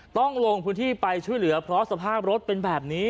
ต้องลงพื้นที่ไปช่วยเหลือเพราะสภาพรถเป็นแบบนี้